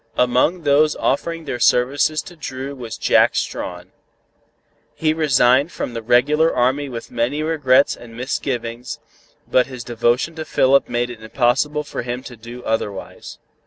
Among those offering their services to Dru was Jack Strawn. He resigned from the regular army with many regrets and misgivings, but his devotion to Philip made it impossible for him to do otherwise.